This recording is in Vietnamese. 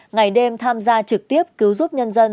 ngày đêm tham gia trực tiếp cứu giúp nhân dân